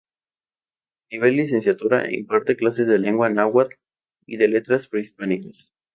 A nivel licenciatura, imparte clases de Lengua Náhuatl y de Letras Prehispánicas.